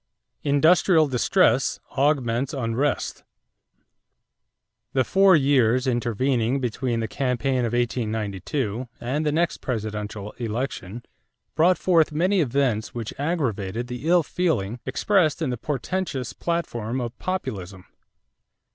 =Industrial Distress Augments Unrest.= The four years intervening between the campaign of 1892 and the next presidential election brought forth many events which aggravated the ill feeling expressed in the portentous platform of Populism.